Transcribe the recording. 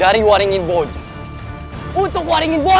dari waringin boja untuk waringin boja